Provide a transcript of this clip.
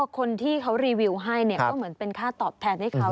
คนที่เขารีวิวให้ก็เหมือนเป็นค่าตอบแทนให้เขา